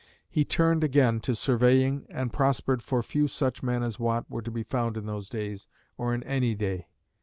He turned again to surveying and prospered, for few such men as Watt were to be found in those days, or in any day.